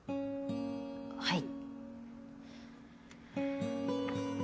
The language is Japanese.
はい。